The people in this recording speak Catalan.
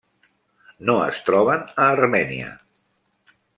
No es troben a Armènia.